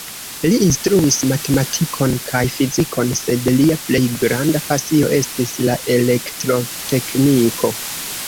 Li instruis matematikon kaj fizikon, sed lia plej granda pasio estis la elektrotekniko.